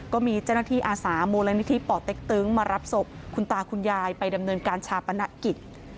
ก็มีเจ้าหน้าที่อาสามูลนิธิป่อเต็กตึงมารับศพคุณตาคุณยายไปดำเนินการชาปนกิจ